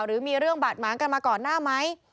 หรือมีเรื่องบาดหมางกันมาก่อนหน้าไหม